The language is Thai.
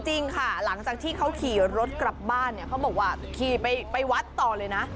จริงค่ะหลังจากที่เขาขี่รถกลับบ้านเนี่ยเขาบอกว่าขี่ไปวัดต่อเลยนะ